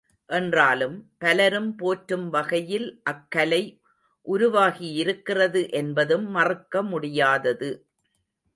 என்றாலும், பலரும் போற்றும் வகையில் அக்கலை உருவாகியிருக்கிறது என்பதும் மறுக்க முடியாதது.